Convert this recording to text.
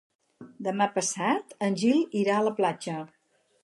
Demà passat en Gil irà a la platja.